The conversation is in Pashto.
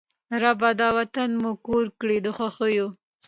ربه! دا وطن مو کور کړې د خوښیو